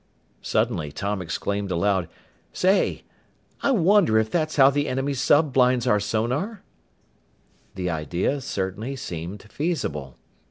Suddenly Tom exclaimed aloud, "Say! I wonder if that's how the enemy sub blinds our sonar?" The idea certainly seemed feasible.